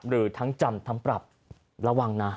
หรือทั้งจำทั้งปรับระวังนะ